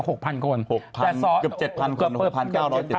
๖๐๐๐เกือบ๗๐๐๐คนหรือ๖๙๗๐คนทั้งประเทศ